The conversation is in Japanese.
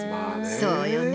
そうよね。